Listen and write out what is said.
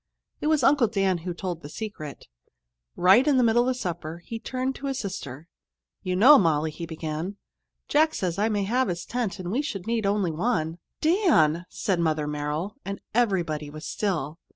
It was Uncle Dan who told the secret. Right in the middle of supper he turned to his sister. "You know, Molly," he began, "Jack says I may have his tent and we should need only one." "Dan!" said Mother Merrill, and everybody was still.